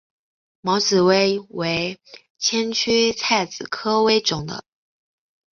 毛紫薇为千屈菜科紫薇属下的一个种。